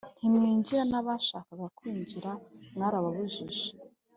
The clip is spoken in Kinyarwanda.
ntimwinjira n abashakaga kwinjira mwarababujije